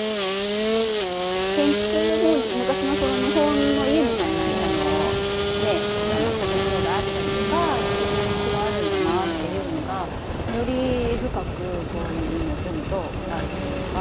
建築も昔の日本の家みたいな建物があったりとかいろんな歴史があるんだなっていうのがより深くこういうのを読むと分かるというか。